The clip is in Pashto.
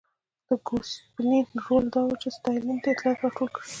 د ګوسپلین رول دا و چې ستالین ته اطلاعات راټول کړي